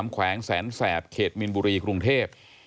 แขวงแสนแสบเขตมินบุรีกรุงเทพ